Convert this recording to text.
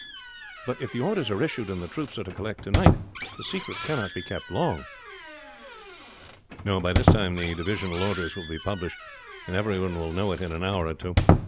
"But if the orders are issued, and the troops are to collect to night, the secret cannot be kept long." "No; by this time the divisional orders will be published, and everyone will know it in an hour or two.